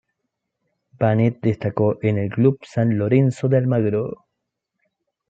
Bennet destacó con el club San Lorenzo de Almagro.